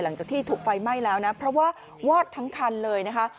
หลังจากที่ถูกไฟไหม้แล้วนะเพราะว่าวอดทั้งคันเลยนะคะ